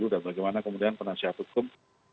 bagaimana kemudian penasihat hukum